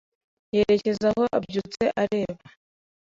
yerekeza aho abyutse areba.